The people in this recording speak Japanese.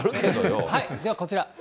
では、こちら。